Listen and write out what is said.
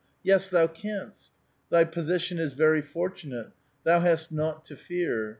"'* Yes, thou canst. Thy position is very fortunate. Thoa hast naught to fear.